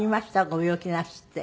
ご病気なすって。